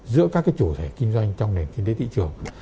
giữa các chủ thể kinh doanh trong nền kinh tế thị trường